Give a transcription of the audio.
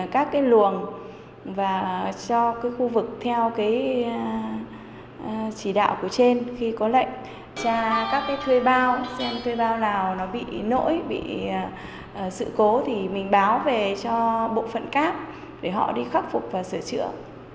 các cái luồng và cho cái khu vực theo cái chỉ đạo của trên khi có lệnh tra các cái thuê bao xem thuê bao nào nó bị nỗi bị sự cố thì mình báo về cho bộ phận cáp để họ đi khắc phục và sửa chữa